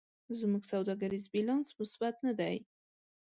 زموږ سوداګریز بیلانس مثبت نه دی.